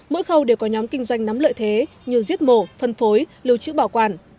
mỗi khâu đều có nhóm kinh doanh nắm lợi thế như giết mổ phân phối lưu trữ bảo quản